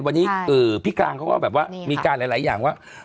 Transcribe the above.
วันนี้พี่กลางเขาก็แบบว่ามีการหลายอย่างว่า